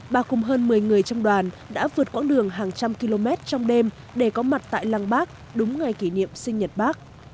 bà cùng hơn một mươi người trong đoàn đã vượt quãng đường hàng trăm km trong đêm để có mặt tại lăng bác đúng ngày kỷ niệm sinh nhật bác